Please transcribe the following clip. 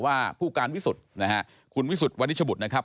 ว่าผู้การวิสุทธิ์คุณวิสุทธิ์วันนี้ชะบุดนะครับ